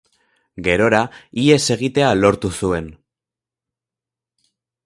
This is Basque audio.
Gerora, ihes egitea lortu zuen.